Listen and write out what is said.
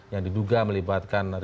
yang diduga melibatkan